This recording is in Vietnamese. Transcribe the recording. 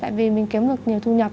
tại vì mình kiếm được nhiều thu nhập